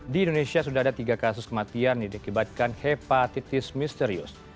di indonesia sudah ada tiga kasus kematian yang diakibatkan hepatitis misterius